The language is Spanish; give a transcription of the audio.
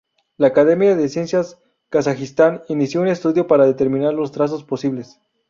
La Academia de Ciencias de Kazajistán inició un estudio para determinar los trazados posibles.